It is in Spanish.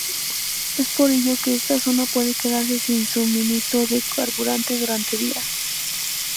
Es por ello que esta zona puede quedarse sin suministro de carburantes durante días.